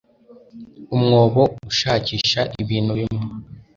umwobo ushakisha ibintu bimwe